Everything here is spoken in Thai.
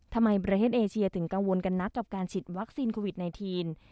ทำไมประเทศเอเชียถึงกังวลกันนักกับการฉีดวัคซีนโควิด๑๙